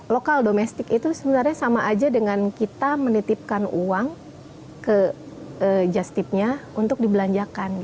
lokal domestik itu sebenarnya sama aja dengan kita menitipkan uang ke justipnya untuk dibelanjakan